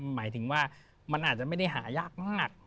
หมายถึงว่ามันอาจจะไม่ได้หายากมาก